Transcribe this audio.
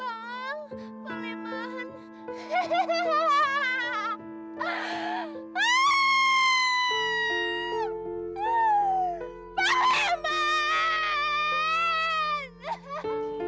bang boleh mahan